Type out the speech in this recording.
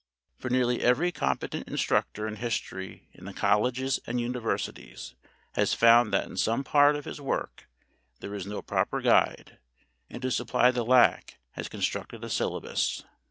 For nearly every competent instructor in history in the colleges and universities has found that in some part of his work there is no proper guide, and to supply the lack has constructed a syllabus.